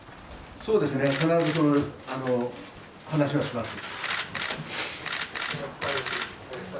そうですね、必ず話はします。